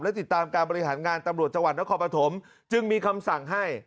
และติดตามการบริหารงานตำรวจจังหวัดนครปฐมจึงมีคำสั่งให้